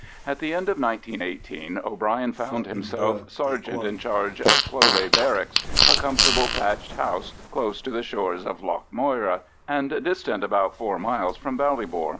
At the end of 1918 O'Bryan found himself sergeant in charge of Cloghleagh Barracks, a comfortable thatched house close to the shores of Lough Moyra, and distant about four miles from Ballybor.